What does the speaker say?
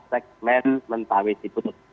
segmen mentawai sibut